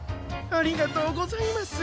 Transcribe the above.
ありがとうございます。